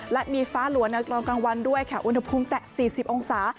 และมีฟ้าหลัวในตอนกลางวันด้วยค่ะอุณหภูมิแตะ๔๐องศา